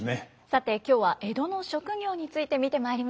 さて今日は江戸の職業について見てまいりました。